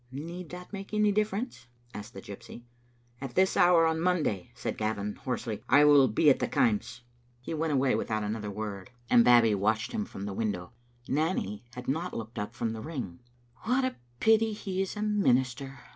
" Need that make any difference?" asked the gypsy, "At this hour on Monday," said Gavin, hoarsely, "I willbeattheKaims." He went away without another word, and Babbie Digitized by VjOOQ IC t4M QDe Xittle OsiniBtct. watched him from the window. Nanny had not looked up from the ring. "What a pity he is a minister!"